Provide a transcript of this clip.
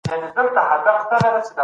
هر تصوف د روح ترمخه وي.